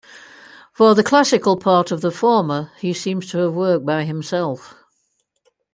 For the classical part of the former he seems to have worked by himself.